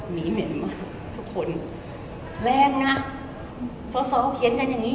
หมีเหม็นมากทุกคนแรงนะสอสอเขียนกันอย่างนี้